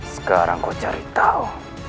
sekarang kau cari tahu